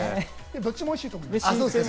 どっちもおいしいと思います。